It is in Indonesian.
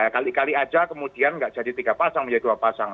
kali kali aja kemudian nggak jadi tiga pasang menjadi dua pasang